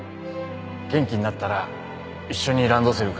元気になったら一緒にランドセル買いに行こうな